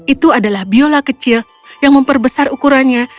itu adalah biola kecil yang memperbesar ukurannya